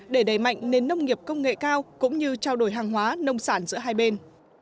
để đẩy mạnh nền nông nghiệp công nghệ cao cũng như trao đổi hàng hóa nông sản giữa hai bên